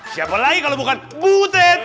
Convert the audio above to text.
siapa lagi kalau bukan butet